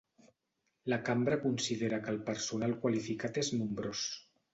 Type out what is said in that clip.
La Cambra considera que el personal qualificat és nombrós